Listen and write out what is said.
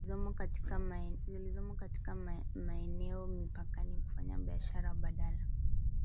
zilizomo katika maeneo mipakani kufanya biashara badala